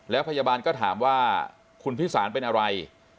แล้วพยาบาลก็ถามว่าคุณพิสารเป็นอะไร